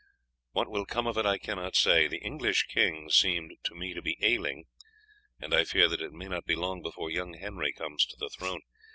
What will come of it I cannot say. The English king seemed to me to be ailing, and I fear that it may not be long before young Henry comes to the throne.